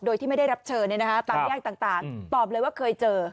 โดยที่ไม่ได้รับเชิญเลยนะฮะตามอย่างต่างตอบเลยว่าเคยเจอ